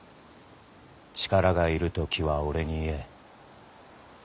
力がいる時は俺に言え。